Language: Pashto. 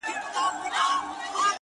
دا زما د کوچنيوالي غزل دی ..